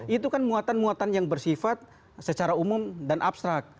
itu kan muatan muatan yang bersifat secara umum dan abstrak